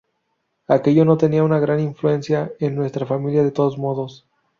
Aquello no tenía una gran influencia en nuestra familia de todos modos.